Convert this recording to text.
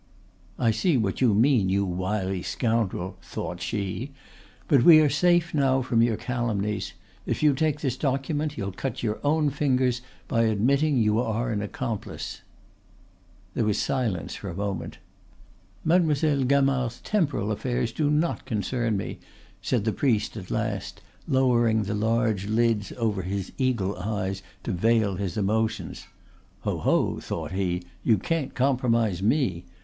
("I see what you mean, you wily scoundrel," thought she, "but we are safe now from your calumnies. If you take this document you'll cut your own fingers by admitting you are an accomplice.") There was silence for a moment. "Mademoiselle Gamard's temporal affairs do not concern me," said the priest at last, lowering the large lids over his eagle eyes to veil his emotions. ("Ho! ho!" thought he, "you can't compromise me.